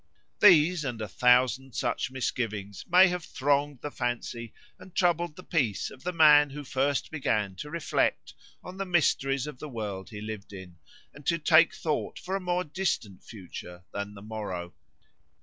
These and a thousand such misgivings may have thronged the fancy and troubled the peace of the man who first began to reflect on the mysteries of the world he lived in, and to take thought for a more distant future than the morrow.